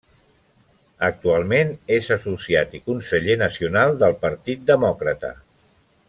Actualment és associat i conseller nacional del Partit Demòcrata.